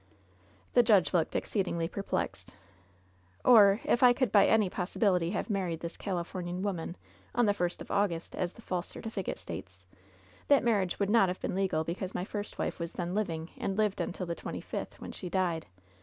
'' The judge looked exceedingly perplexed. "Or if I could by any possibility have married this Califomian woman on the first of August, as the false <5ertificate states, that marriage would not have been legal because my first wife was then living, and lived until the twenty fifth, when she died.